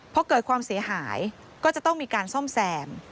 พอเกิดความเสียหายก็จะต้องมีการซ่อมแซม